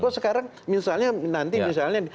kalau sekarang misalnya nanti misalnya